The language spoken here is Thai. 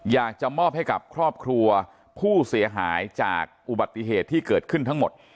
อยากจะมอบให้กับครอบครัวผู้เสียหายจากอุบัติเหตุที่เกิดขึ้นทั้งหมด